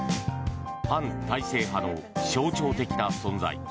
反体制派の象徴的な存在